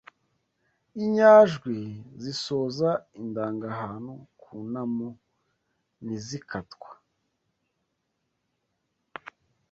Inyajwi zisoza indangahantu ku namu ntizikatwa